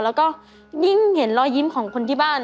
แล้วก็ยิ่งเห็นรอยยิ้มของคนที่บ้าน